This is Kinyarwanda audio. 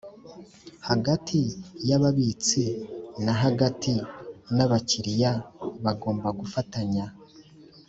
hagati y ababitsi na hagati n abakiriya bagomba gufatanya